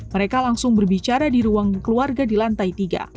mereka langsung berbicara di ruang keluarga di lantai tiga